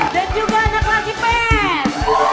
dan juga anak kelas ipen